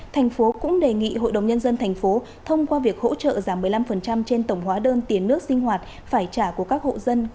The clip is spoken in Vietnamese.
thành phố cũng đề nghị hội đồng nhân dân thành phố thông qua việc hỗ trợ giảm một mươi năm trên tổng hóa đơn tiền nước sinh hoạt phải trả của các hộ dân